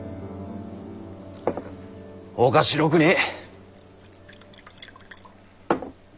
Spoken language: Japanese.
おかしろくねぇ。